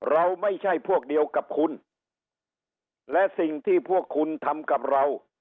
เราไม่ใช่พวกเดียวกับคุณและสิ่งที่พวกคุณทำกับเรา